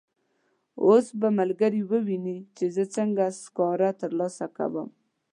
اوس به ملګري وویني چې زه څنګه سکاره ترلاسه کوم.